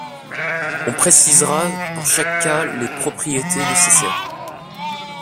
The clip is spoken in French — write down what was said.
On précisera pour chaque cas les propriétés nécessaires.